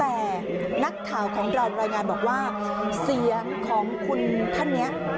แต่นักข่าวของเรารายงานบอกว่าเสียงของคุณท่านนี้